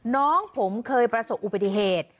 น้องผมเคยประสบอุบิเทศ